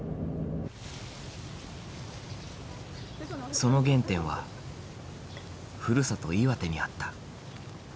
その原点はふるさと岩手にあった。